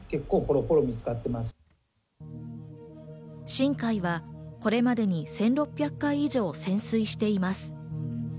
「しんかい」はこれまでに１６００回以上を潜水しています。